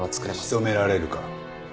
仕留められるか？